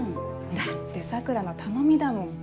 だって桜の頼みだもん。